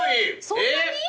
そんなに？